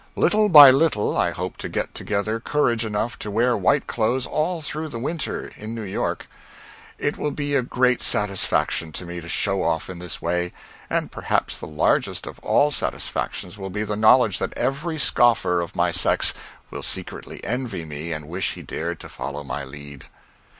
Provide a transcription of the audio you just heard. Little by little I hope to get together courage enough to wear white clothes all through the winter, in New York. It will be a great satisfaction to me to show off in this way; and perhaps the largest of all the satisfactions will be the knowledge that every scoffer, of my sex, will secretly envy me and wish he dared to follow my lead.